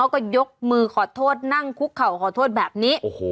ก็ยกมือขอโทษนั่งคุกเข่าขอโทษแบบนี้